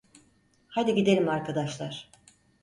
Hadi gidelim arkadaşlar.